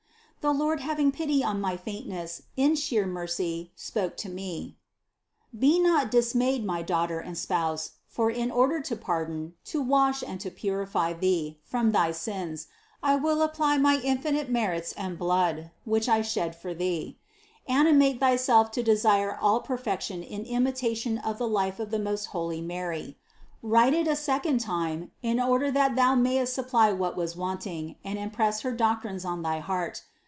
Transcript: The Lord having pity on my faintness, in sheer mercy, spoke tf) me: "Be not dismayed, my daughter and spouse, for in order to pardon, to wash and to purify thee from thy sins, I will apply my infinite merits and the blood, which I shed for thee; animate thyself to desire all perfection in imitation of the life of the most holy Mary. Write it a second time in order that thou mayest supply what was wanting and impress her doctrines on thy heart.